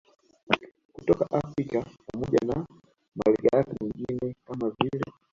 kutoka Afrika pamoja na malighafi nyingine kama vile